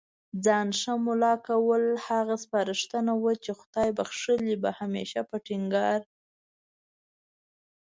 ځان ښه مُلا کول، هغه سپارښتنه وه چي خدای بخښلي به هميشه په ټينګار